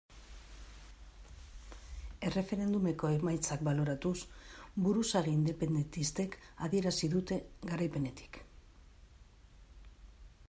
Erreferendumeko emaitzak baloratuz buruzagi independentistek adierazi dute, garaipenetik.